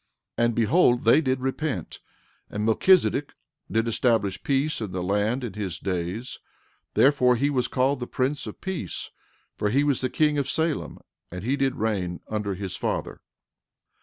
And behold, they did repent; and Melchizedek did establish peace in the land in his days; therefore he was called the prince of peace, for he was the king of Salem; and he did reign under his father.